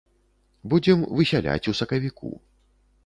Будзем высяляць у сакавіку.